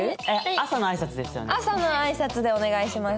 朝の挨拶でお願いします。